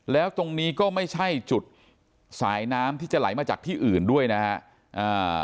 แล้วตรงนี้ก็ไม่ใช่จุดสายน้ำที่จะไหลมาจากที่อื่นด้วยนะฮะ